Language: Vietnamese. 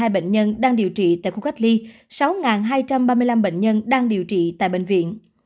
chín trăm một mươi hai bệnh nhân đang điều trị tại khu cách ly sáu hai trăm ba mươi năm bệnh nhân đang điều trị tại bệnh viện